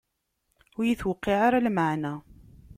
Ur iyi-tuqiɛ ara lmeɛna.